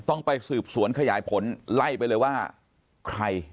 ต้องไปสืบสวนขยายผลไล่ไปเลยว่าใคร